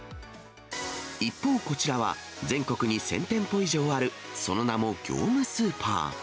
一方、こちらは全国に１０００店舗以上ある、その名も業務スーパー。